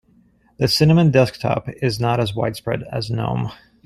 The cinnamon desktop is not as widespread as gnome.